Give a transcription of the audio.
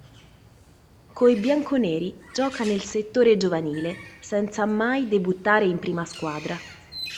Coi bianconeri gioca nel settore giovanile, senza mai debuttare in prima squadra.